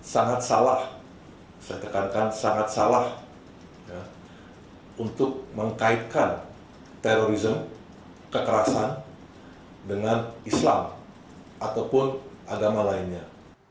sangat salah saya tekankan sangat salah untuk mengkaitkan terorisme kekerasan dengan islam ataupun agama lainnya